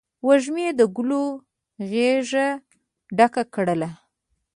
وږمې د ګلو غیږه ډکه کړله